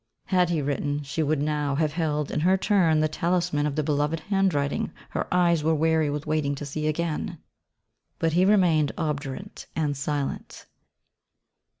Had he written she would now have held in her turn the talisman of the beloved handwriting her eyes were weary with waiting to see again. But he remained obdurate and silent.